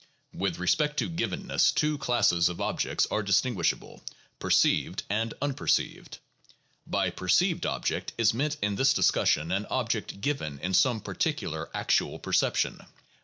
With respect to givenness two classes of objects are distinguish able, perceived and unperceived. By perceived object is meant in this discussion an object given in some particular actual perception.